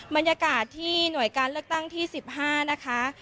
บรรยากาศที่หน่วยการเลือกตั้งที่๑๕นะคะ